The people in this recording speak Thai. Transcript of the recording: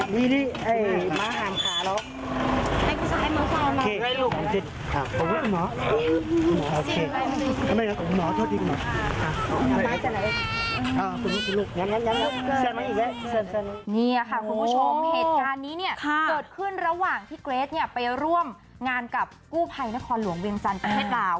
นี่ค่ะคุณผู้ชมเหตุการณ์นี้เนี่ยเกิดขึ้นระหว่างที่เกรทไปร่วมงานกับกู้ภัยนครหลวงเวียงจันทร์กันหรือเปล่า